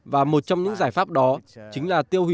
và một trong những giải pháp đó chính là tiêu hủy